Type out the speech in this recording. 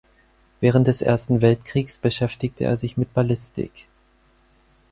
Während des Ersten Weltkriegs beschäftigte er sich mit Ballistik.